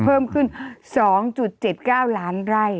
เพิ่มขึ้น๒๗๙ล้านไร่